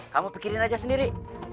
kamu pikirin aja sendiri